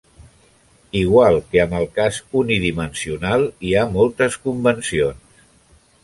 Igual que amb el cas unidimensional, hi ha moltes convencions.